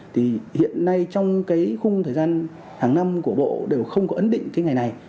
thì hiện nay trong cái khung thời gian hàng năm của bộ đều không có ấn định cái ngày này